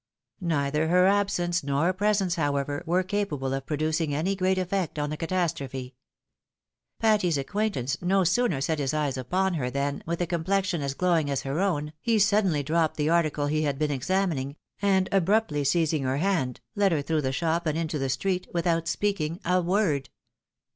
Neither her absence, nor presence, however, were capable of producing any great effect on the catastrophe. Patty's acquaintance no sooner set his eyes upon her, than, with a complexion as glowing as her own, he suddenly dropped the article he had been examining, and, abruptly seizing her hand, led her through the shop, and into the street, without speaking a word.